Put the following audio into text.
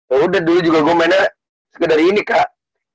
oh udah dulu juga gue mainnya sekedar ini kak